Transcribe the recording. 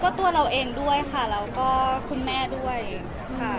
ก็ตัวเราเองด้วยค่ะแล้วก็คุณแม่ด้วยค่ะ